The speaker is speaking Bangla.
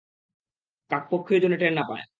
কাকপক্ষীও যেন টের না পায়!